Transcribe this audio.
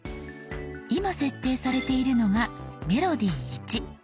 今設定されているのが「メロディ０１」。